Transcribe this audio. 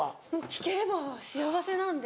聞ければ幸せなんで。